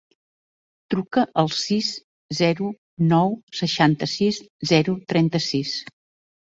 Truca al sis, zero, nou, seixanta-sis, zero, trenta-sis.